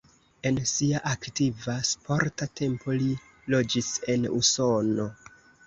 En sia aktiva sporta tempo li loĝis en Usono.